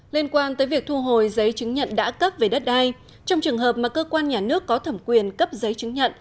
liên quan tới việc thu hồi giấy chứng nhận đã cấp về đất đai trong trường hợp mà cơ quan nhà nước có thẩm quyền cấp giấy chứng nhận